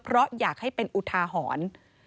เพราะอยากให้เป็นอุทาหรณ์